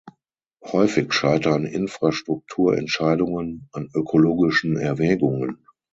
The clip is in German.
Häufig scheitern Infrastrukturentscheidungen an ökologischen Erwägungen.